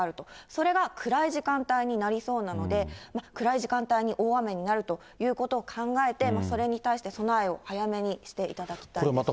それが暗い時間帯になりそうなので、暗い時間帯に大雨になるということを考えて、それに対して備えを早めにしていただきたいです。